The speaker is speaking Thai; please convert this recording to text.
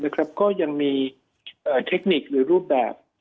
ก็ยังมีเทคนิคหรือรูปแบบ